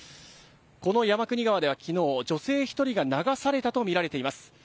この山国川では昨日女性１人が流されたとみられています。